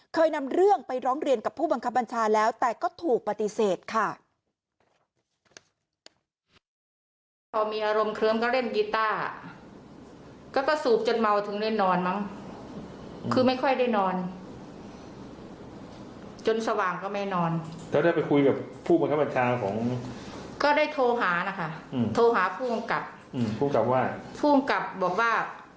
เคยนำเรื่องไปร้องเรียนกับผู้บังคับบัญชาแล้วแต่ก็ถูกปฏิเสธค่ะ